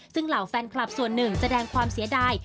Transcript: ซึ่งเหล่าแฟนคลับส่วนหนึ่งแสดงความเสียดาย